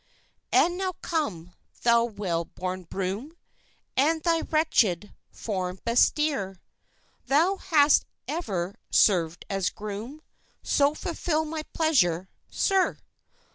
"And now come, thou well born broom And thy wretched form bestir; Thou hast ever served as groom, So fulfil my pleasure, sir!